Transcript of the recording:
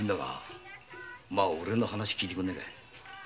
おれの話を聞いてくれねえか。